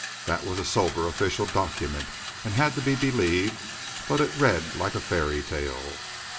That was a sober official document, and had to be believed, but it read like a fairy tale.